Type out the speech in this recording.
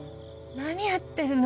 何やってるの？